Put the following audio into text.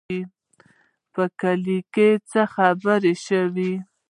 په کلي کې چې خبره شي،